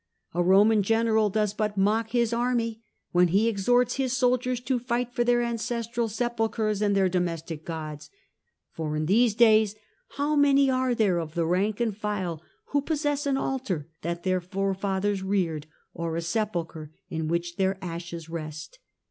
A Roman general does but mock his army when he exhorts his soldiers to fight for their ancestral sepulchres and their domestic gods. For in these days how many are there of the rank and file who possess an altar that their forefathers reared, or a sepul chre in which their ashes rest?